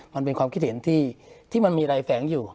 มันเป็นความคิดเห็นที่มันมีอะไรแฝงอยู่